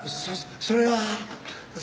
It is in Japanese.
そそれは。